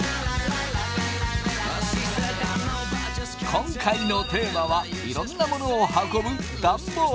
今回のテーマはいろんなものを運ぶ